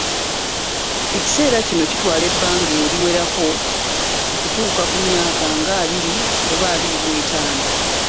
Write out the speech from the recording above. Ekiseera kino kitwala ebbanga eriwerako okutuuka ku myaka nga abiri oba abiri mu etaano.